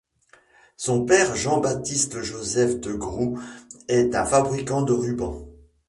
Son père Jean Baptiste Joseph de Groux est un fabricant de rubans.